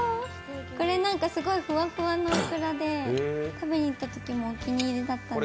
これ、なんかふわふわのオクラで食べに行ったときもお気に入りだったんです。